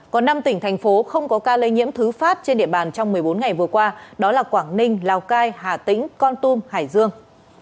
có năm tỉnh thành phố không có ca lây nhiễm thứ phát trên địa bàn trong một mươi bốn ngày vừa qua đó là quảng ninh lào cai hà tĩnh con tum hải dương